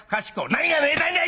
何がめでたいんだい！